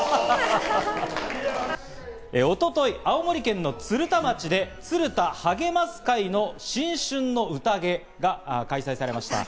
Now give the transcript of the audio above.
一昨日、青森県の鶴田町でツル多はげます会の新春の有多毛が開催されました。